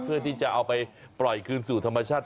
เพื่อที่จะเอาไปปล่อยคืนสู่ธรรมชาติ